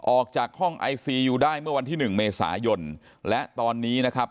ออกจากห้องไอซียูได้เมื่อวันที่หนึ่งเมษายนและตอนนี้นะครับ